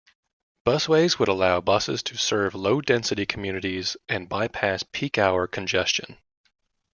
Busways would allow buses to serve low-density communities and bypass peak hour congestion.